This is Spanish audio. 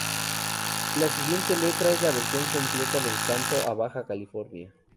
La siguiente letra es la versión completa del canto a Baja California.